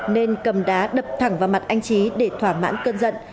nên cầm đá đập thẳng vào mặt anh trí để thỏa mãn cân dận